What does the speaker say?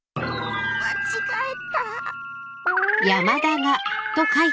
間違えた。